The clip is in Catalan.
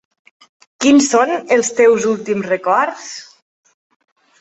Quins són els teus últims records?